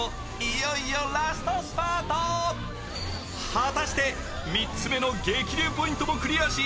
果たして３つ目の激流ポイントもクリアし、